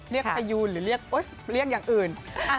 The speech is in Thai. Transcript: เรียกพายูหรือเรียกอย่างอื่น